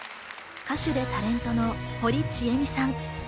歌手でタレントの堀ちえみさん。